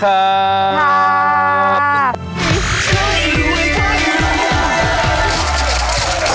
ครับ